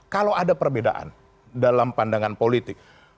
kalau ada perbedaan dalam pandangan politik